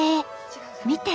見て！